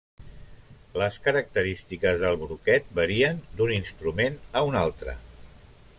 Les característiques del broquet varien d'un instrument a un altre.